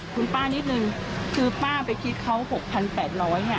คุณป้านิดนึงคือป้าไปคิดเขา๖๘๐๐เนี่ย